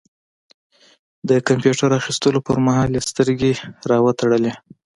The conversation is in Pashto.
د کمپيوټر اخيستلو پر مهال يې سترګې را وتړلې.